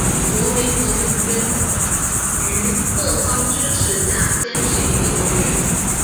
国民革命军于各方支持下坚持一个多月。